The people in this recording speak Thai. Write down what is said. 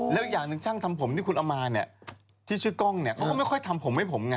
แล้วอย่างหนึ่งช่างทำผมที่คุณเอามาเนี่ยที่ชื่อกล้องเนี่ยเขาก็ไม่ค่อยทำผมให้ผมไง